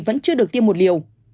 vẫn chưa được tiêm một liều